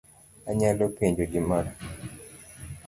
Anyalo penjo gimoro?